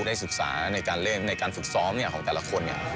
ได้ศึกษาในการเล่นในการฝึกซ้อมของแต่ละคน